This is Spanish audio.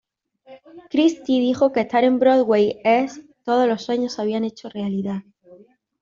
Christie dijo que estar en Broadway es "todos los sueños se habían hecho realidad".